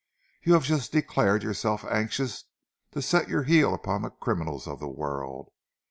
You have just declared yourself anxious to set your heel upon the criminals of the world.